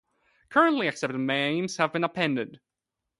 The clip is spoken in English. Currently accepted names have been appended.